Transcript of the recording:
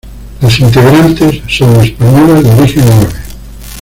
Las integrantes son españolas de origen árabe.